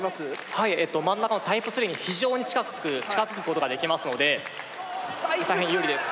真ん中のタイプ３に非常に近づくことができますのでタイプ２！大変有利です。